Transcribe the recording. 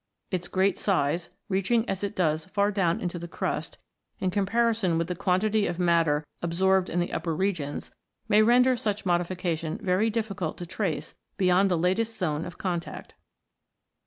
Its great size, reaching as it does far down into the crust, in comparison with the quantity of matter absorbed in the upper regions, may render such modification very difficult to trace beyond the latest zone of contact.